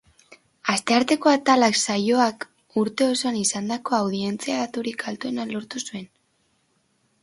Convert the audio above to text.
Astearteko atalak saioak urte osoan izandako audientzia daturik altuena lortu zuen.